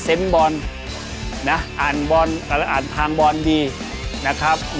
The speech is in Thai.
เซ็นต์บอลอ่านทางบอลดีนะครับ